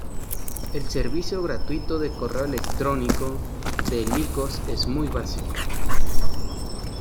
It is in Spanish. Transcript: El servicio gratuito de correo electrónico de Lycos es muy básico.